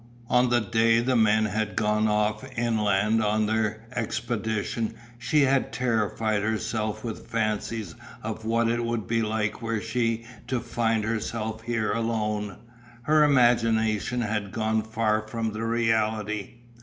On the day the men had gone off inland on their expedition she had terrified herself with fancies of what it would be like were she to find herself here alone. Her imagination had gone far from the reality.